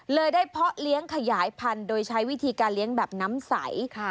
ได้เพาะเลี้ยงขยายพันธุ์โดยใช้วิธีการเลี้ยงแบบน้ำใส